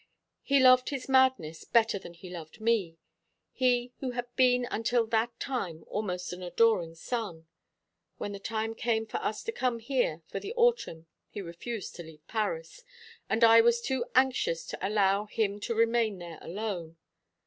He loved his madness better than he loved me he who had been until that time almost an adoring son. When the time came for us to come here for the autumn he refused to leave Paris, and I was too anxious to allow him to remain there alone.